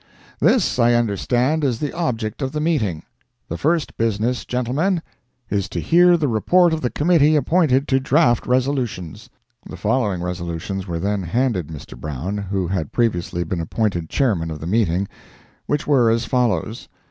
This, I understand, is the object of the meeting. The first business, gentlemen, is to hear the report of the Committee appointed to draft resolutions. The following resolutions were then handed Mr. Brown, who had previously been appointed Chairman of the meeting, which were as follows.